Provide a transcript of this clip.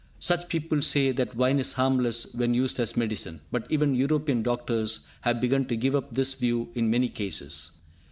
Some people say that wine is harmless when used as medicine, but even European doctors have begun to give up this view in many cases.